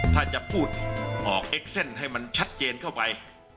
ถ้าจะพูดออกเอ็กเซ็นต์ให้มันชัดเจนเข้าไป